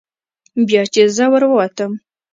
بیا چې زه ور ووتم.